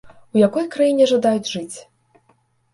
У якой краіне жадаюць жыць?